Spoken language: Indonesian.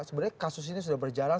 sebenarnya kasus ini sudah berjalan